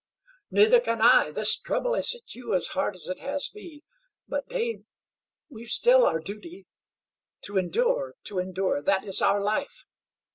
"Neither can I! This trouble has hit you as hard as it has me. But, Dave, we've still our duty. To endure, to endure that is our life.